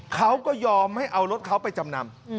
เขาก็ยอมให้เอารถเขาไปจำนำ